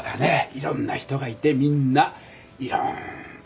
いろんな人がいてみんないろんな事情がある。